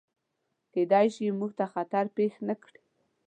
کیدای شي، موږ ته خطر پیښ نکړي.